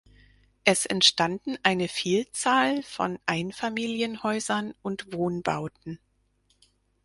Es entstanden eine Vielzahl von Einfamilienhäusern und Wohnbauten.